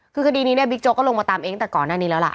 คือคดีนี้เนี่ยบิ๊กโจ๊ก็ลงมาตามเองตั้งแต่ก่อนหน้านี้แล้วล่ะ